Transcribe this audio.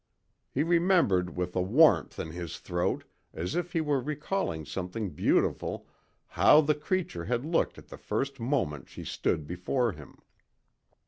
He remembered with a warmth in his throat as if he were recalling something beautiful how the creature had looked at the first moment she stood before him.